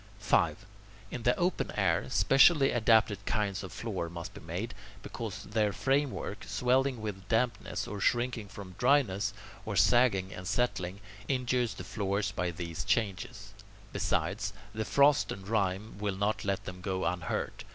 5. In the open air, specially adapted kinds of floors must be made, because their framework, swelling with dampness, or shrinking from dryness, or sagging and settling, injures the floors by these changes; besides, the frost and rime will not let them go unhurt.